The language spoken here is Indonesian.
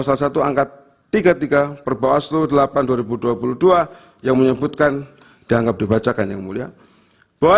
salah satu angkat tiga puluh tiga perbawaslu delapan dua ribu dua puluh dua yang menyebutkan dianggap dibacakan yang mulia bahwa